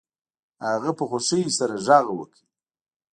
هغه په خوښۍ سره غږ وکړ